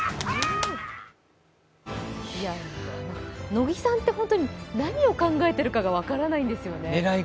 乃木さんってホントに何を考えてるか分からないんですよね。